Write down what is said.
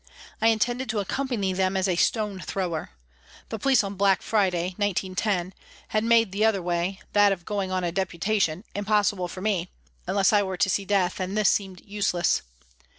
I intended to accompany them as a stone thrower; the police on Black Friday (1910) had made the other way that of going on a deputation impossible for me, unless I were to see death, and this seemed useless.